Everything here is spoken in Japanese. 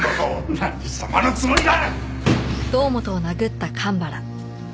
何様のつもりだ！